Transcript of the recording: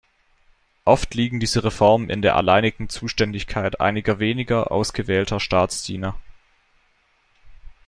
Oft liegen diese Reformen in der alleinigen Zuständigkeit einiger weniger ausgewählter Staatsdiener.